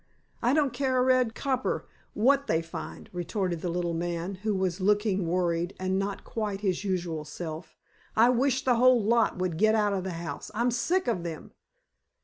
"I don't care a red copper what they find," retorted the little man, who was looking worried, and not quite his usual self. "I wish the whole lot would get out of the house. I'm sick of them."